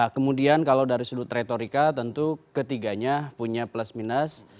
kemudian kalau dari sudut retorika tentu ketiganya punya plus minus